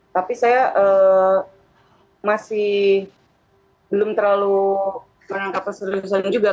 tapi saya masih belum terlalu menangkap keseriusan juga